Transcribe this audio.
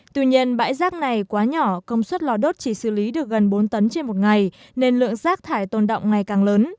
tuy nhiên bãi rác này quá nhỏ công suất lò đốt chỉ xử lý được gần bốn tấn trên một ngày nên lượng rác thải tồn động ngày càng lớn